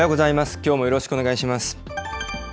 きょうもよろしくお願いします。